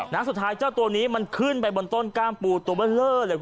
นะฮะสุดท้ายเจ้าตัวนี้มันขึ้นไปบนต้นกล้ามปูตัวเบลอเลยครับคุณผู้ชม